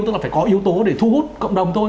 tức là phải có yếu tố để thu hút cộng đồng thôi